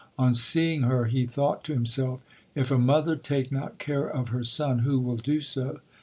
On seeing her he thought to himself : If a mother take not care of her son, who will do so